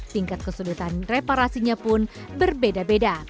tingkat kesedotan reparasinya pun berbeda